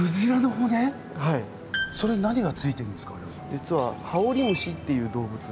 実はハオリムシっていう動物で。